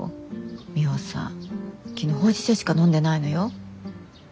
ミホさん昨日ほうじ茶しか飲んでないのよ。